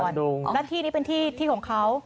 บรรดุงนั่นที่นี้เป็นที่ที่ของเขา